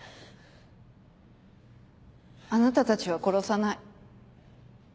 あなたたちは殺さない。